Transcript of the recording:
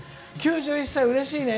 ９１歳、うれしいね。